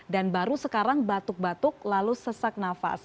dan baru sekarang batuk batuk lalu sesak nafas